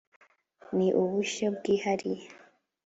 ni ubushyo bwihariye